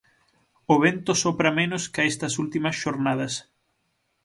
O vento sopra menos ca estas últimas xornadas.